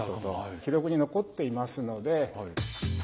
記録に残っていますので。